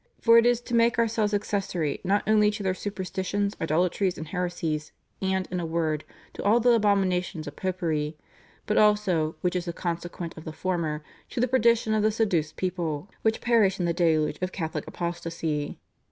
For it is to make ourselves accessory, not only to their superstitions, idolatries, and heresies, and in a word, to all the abominations of Popery; but also, which is a consequent of the former, to the perdition of the seduced people, which perish in the deluge of Catholic apostacy.